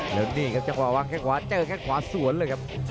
แล้วนี่ครับจังหวะวางแค่งขวาเจอแค่งขวาสวนเลยครับ